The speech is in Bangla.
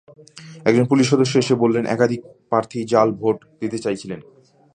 একজন পুলিশ সদস্য এসে বললেন, একাধিক প্রার্থী জাল ভোট দিতে চাইছিলেন।